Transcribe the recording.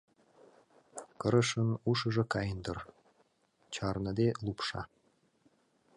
Кырышын ушыжо каен дыр, чарныде лупша.